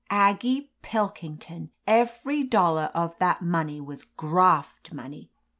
"Aggie Pilkington, every dollar of that money was graft money.